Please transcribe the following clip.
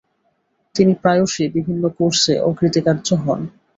তিনি প্রায়শই বিভিন্ন কোর্সে অকৃতকার্য হতেন।